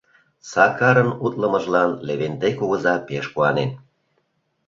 Сакарын утлымыжлан Левентей кугыза пеш куанен.